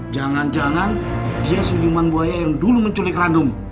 jangan jangan dia siluman buaya yang dulu menculik ranum